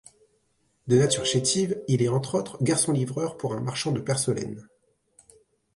De nature chétive, il est, entre autres, garçon livreur pour un marchand de porcelaines.